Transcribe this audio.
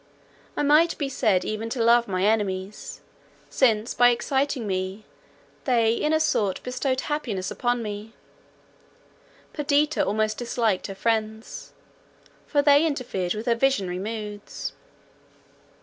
I might be said even to love my enemies, since by exciting me they in a sort bestowed happiness upon me; Perdita almost disliked her friends, for they interfered with her visionary moods.